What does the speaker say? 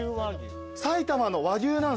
埼玉の和牛なんですね。